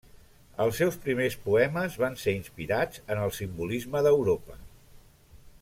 Els seus primers poemes van ser inspirats en el simbolisme d'Europa.